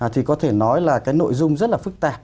thì có thể nói là cái nội dung rất là phức tạp